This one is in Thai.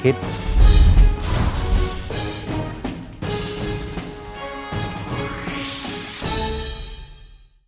โปรดติดตามตอนต่อไป